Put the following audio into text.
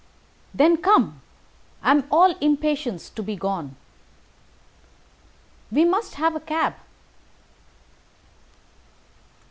"Then come. I am all impatience to be gone." "We must have a cab."